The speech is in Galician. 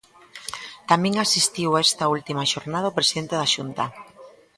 Tamén asistiu a esta última xornada o presidente da Xunta.